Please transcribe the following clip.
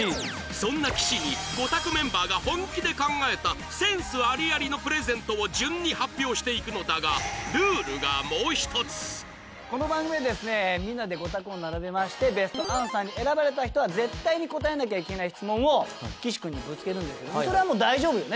そんな岸にゴタクメンバーが本気で考えたセンスありありのプレゼントを順に発表して行くのだがこの番組はみんなでゴタクを並べましてベストアンサーに選ばれた人は絶対に答えなきゃいけない質問を岸君にぶつけるんですけどそれはもう大丈夫よね？